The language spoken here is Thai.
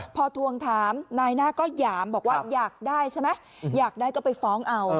พอทวงถามนายหน้าก็หยามบอกว่าอยากได้ใช่ไหมอยากได้ก็ไปฟ้องเอา